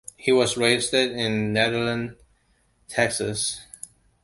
He was raised in Nederland, Texas.